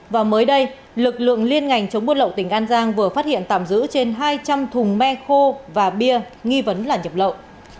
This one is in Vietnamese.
và mới đây lực lượng liên ngành chống buôn lậu tỉnh an giang vừa phát hiện tạm giữ trên hai trăm linh thùng me khô và bia nghi vấn là nhập lậu